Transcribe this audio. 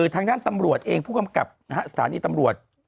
ทางด้านตำรวจเองผู้กำกับสถานีตำรวจ